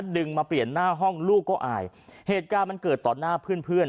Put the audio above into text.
มาเปลี่ยนหน้าห้องลูกก็อายเหตุการณ์มันเกิดต่อหน้าเพื่อนเพื่อน